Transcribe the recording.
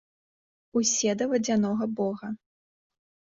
Усе да вадзянога бога.